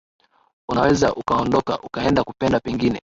Unaweza ukaondoka, ukaenda kupenda pengine